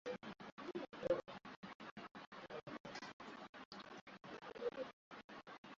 hizo ni mdogo au hakuna habari za eneo hilo bado kuna raslimali